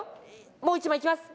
もう１枚いきます